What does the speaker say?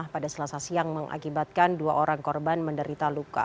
pada selasa siang mengakibatkan dua orang korban menderita luka